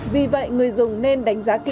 vì vậy người dùng nên đánh giá kỹ